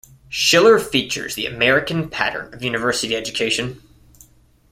Schiller features the American pattern of university education.